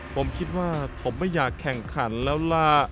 ผมคิดว่าผมไม่อยากแข่งขันแล้วล่ะ